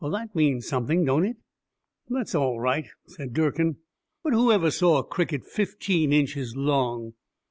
Well, that means something, don't it?" "That's all right," said Durkin. "But whoever saw a cricket fifteen inches long?"